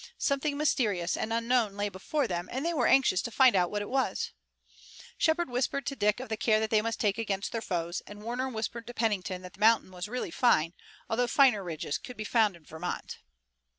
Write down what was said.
Something mysterious and unknown lay before them, and they were anxious to find out what it was. Shepard whispered to Dick of the care that they must take against their foes, and Warner whispered to Pennington that the mountain was really fine, although finer ridges could be found in Vermont.